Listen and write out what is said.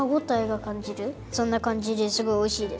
そんなかんじですごいおいしいです。